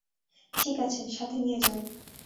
ঠিক আছে, সাথে নিয়ে যান।